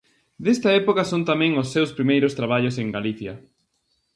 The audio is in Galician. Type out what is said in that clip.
Desta época son tamén os seus primeiros traballos en Galicia.